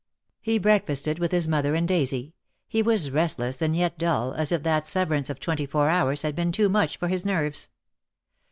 He breakfasted with his mother and Daisy. He was restless and yet dull, as if that severance of twenty four hours had been too much for his nerves.